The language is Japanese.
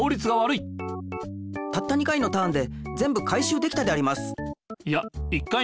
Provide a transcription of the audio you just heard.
たった２回のターンでぜんぶ回しゅうできたであります。